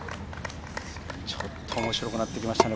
ちょっと面白くなってきましたね。